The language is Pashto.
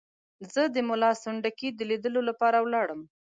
زه د ملا سنډکي د لیدلو لپاره ولاړم.